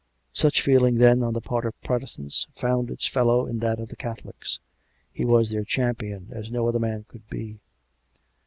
Such feeling then, on the part of Protestants, found its fellow in that of the Catholics. He was their champion, as no other man could be.